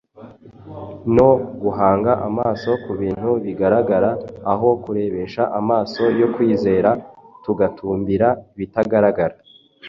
no guhanga amaso ku bintu bigaragara aho kurebesha amaso yo kwizera tugatumbira ibitagaragara.